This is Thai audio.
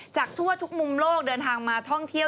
จากทั่วทุกมุมโลกเดินทางมาท่องเที่ยว